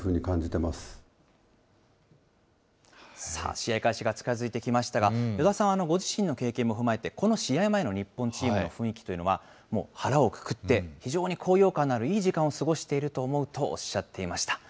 試合開始が近づいてきましたが、与田さんはご自身の経験も踏まえて、この試合前の日本チームの雰囲気というのは、もう腹をくくって、非常に高揚感のあるいい時間を過ごしていると思うとおっしゃっていました。